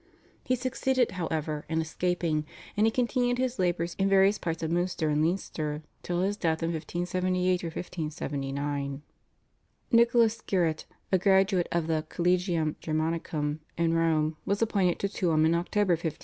He succeeded, however, in escaping, and he continued his labours in various parts of Munster and Leinster till his death in 1578 or 1579. Nicholas Skerrett, a graduate of the /Collegium Germanicum/ in Rome, was appointed to Tuam in October 1580.